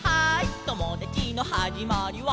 ともだちのはじまりは」